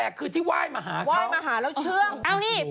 เวลาเราไปปลายปลาไหลที่นี่ฉันไปซื้อปลาไหล